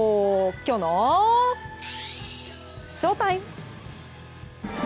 きょうのＳＨＯＴＩＭＥ！